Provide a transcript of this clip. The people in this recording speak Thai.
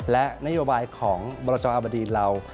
และนโยบายของบรจอบดีเรา